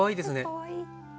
かわいい。